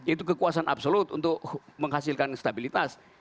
itu kekuasaan absolut untuk menghasilkan stabilitas